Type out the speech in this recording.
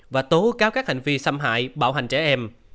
và tố cáo các hành vi xâm hại bạo hành trẻ em